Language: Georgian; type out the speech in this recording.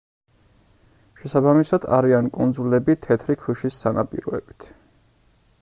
შესაბამისად არიან კუნძულები თეთრი ქვიშის სანაპიროებით.